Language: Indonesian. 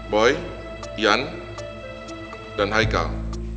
boy ian dan haikal